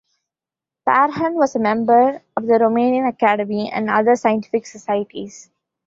Parhon was a member of the Romanian Academy and other scientific societies.